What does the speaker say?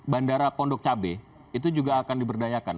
bandara pondok cabe itu juga akan diberdayakan